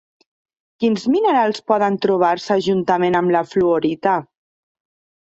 Quins minerals poden trobar-se juntament amb la fluorita?